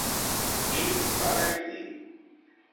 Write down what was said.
Qui ho va decidir?